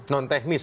non teknis ya